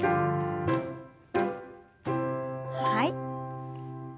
はい。